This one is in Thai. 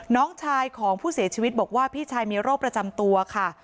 น้องชายของผู้เสียชีวิตบอกว่าพี่ชายมีโรคประจำตัวค่ะ